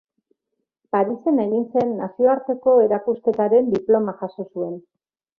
Parisen egin zen Nazioarteko erakusketaren diploma jaso zuen.